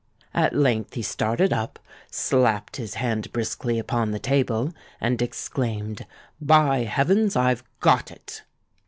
At length he started up, slapped his hand briskly upon the table, and exclaimed, 'By heavens, I've got it!'